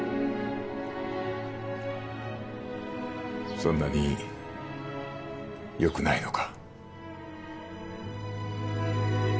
そんなによくないのか？